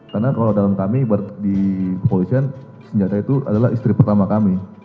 karena kalau dalam kami di kepolisian senjata itu adalah istri pertama kami